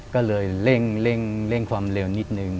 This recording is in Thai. ก็เลยเร่งความเร็วนิดนึง